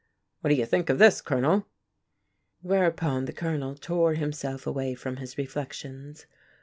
"What do you think of this, Colonel?" Whereupon the Colonel tore himself away from his reflections.